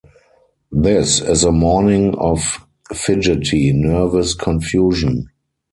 This is a morning of fidgety, nervous confusion.